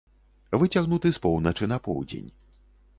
Выцягнуты з поўначы на поўдзень.